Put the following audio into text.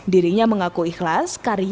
dirinya mengaku ikhlas karyanya dirobohkan